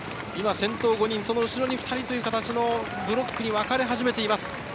先頭５人、その後ろに２人というブロックに分かれ始めています。